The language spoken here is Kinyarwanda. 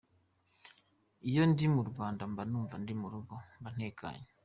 Iyo ndi mu Rwanda mba numva ndi mu rugo, mba ntekanye.